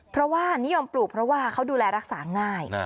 เพราะว่านิยมปลูกเพราะว่าเขาดูแลรักษาง่าย